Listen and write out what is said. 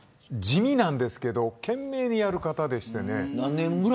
地味なんですけど懸命にやる方でして。